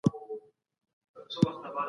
په ادارو کي باید ځواب ویل وي.